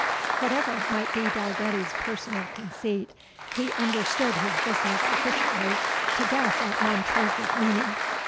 Whatever might be Dalgetty's personal conceit, he understood his business sufficiently to guess at Montrose's meaning.